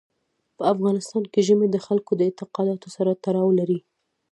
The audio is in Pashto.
په افغانستان کې ژمی د خلکو د اعتقاداتو سره تړاو لري.